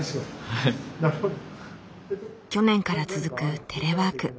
去年から続くテレワーク。